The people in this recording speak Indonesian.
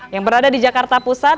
yang berada di jakarta pusat